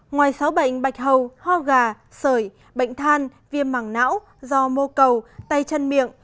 ngoài sáu bệnh bạch hầu ho gà sởi bệnh than viêm mảng não do mô cầu tay chân miệng